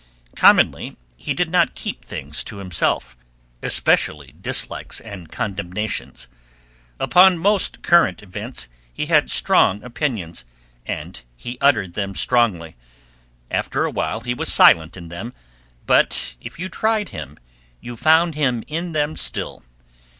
Commonly he did not keep things to himself, especially dislikes and condemnations. Upon most current events he had strong opinions, and he uttered them strongly. After a while he was silent in them, but if you tried him you found him in them still.